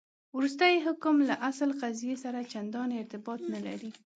وروستی حکم له اصل قضیې سره چنداني ارتباط نه لري.